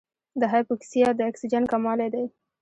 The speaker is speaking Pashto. د هایپوکسیا د اکسیجن کموالی دی.